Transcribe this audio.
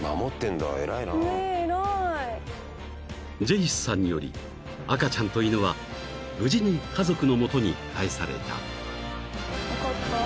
［ジェイスさんにより赤ちゃんと犬は無事に家族の元にかえされた］